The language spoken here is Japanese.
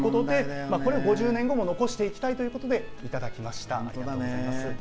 これを５０年後も残していきたいということでいただきました。